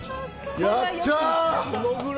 やったー！